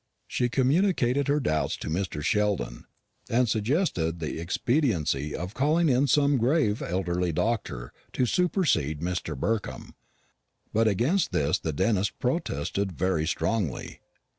She communicated her doubts to Mr. Sheldon, and suggested the expediency of calling in some grave elderly doctor, to supersede Mr. Burkham. But against this the dentist protested very strongly.